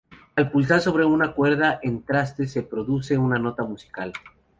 Al pulsar sobre una cuerda en un traste, se produce una nota musical.